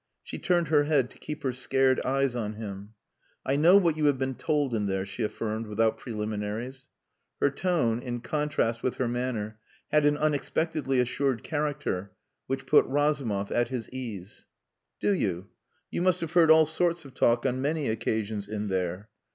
She turned her head to keep her scared eyes on him. "I know what you have been told in there," she affirmed, without preliminaries. Her tone, in contrast with her manner, had an unexpectedly assured character which put Razumov at his ease. "Do you? You must have heard all sorts of talk on many occasions in there."